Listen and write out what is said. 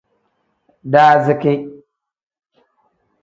Daaziki.